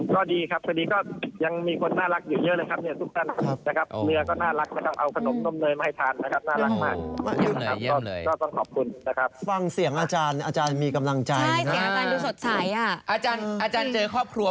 ก็ดีครับตอนนี้ก็ยังมีคนน่ารักอยู่เยอะเลยครับทุกท่าน